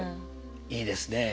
いいですね。